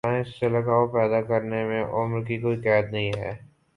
science سے لگاؤ پیدا کرنے میں عمر کی کوئی قید نہیں ہے